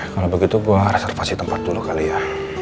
kalo begitu gua reservasi tempat dulu kali ya